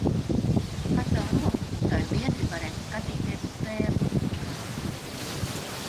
Pacel roku un tavi biedri varēs skatīties spēli!